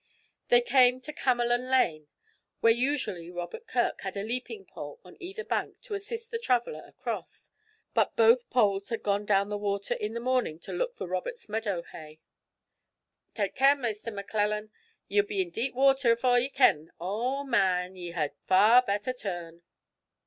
They came to Camelon Lane, where usually Robert Kirk had a leaping pole on either bank to assist the traveller across, but both poles had gone down the water in the morning to look for Robert's meadow hay. 'Tak' care, Maister Maclellan, ye'll be in deep water afore ye ken. O man, ye had far better turn!'